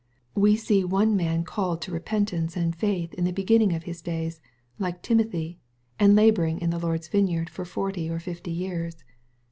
We see one man called to repentance and faith in the begin ning of his days, like Timothy, and laboring in the Lord's vineyard for forty or fifty years.